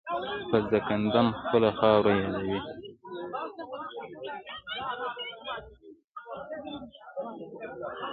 په ځانکدن خپله خاوره یادوي.